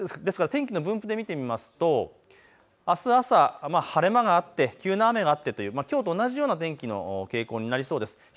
天気の分布で見てみますとあす朝、晴れ間があって急な雨があってというきょうと同じような天気の傾向になりそうです。